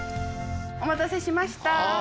お待たせしました。